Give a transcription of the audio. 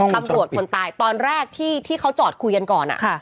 ตำรวจคนตายตอนแรกที่เขาจอดคุยกันก่อน